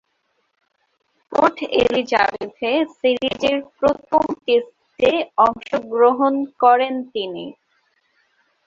Port এলিজাবেথে সিরিজের প্রথম টেস্টে অংশগ্রহণ করেন তিনি।